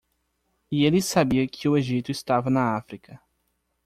E ele sabia que o Egito estava na África.